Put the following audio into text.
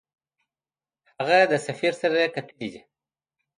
هغه د سفیر سره کتلي دي.